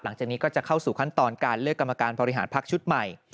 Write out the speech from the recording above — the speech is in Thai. หลังจากนี้ก็จะเข้าสู่ขั้นตอนการเลือกกรรมการบริหารพักชุดใหม่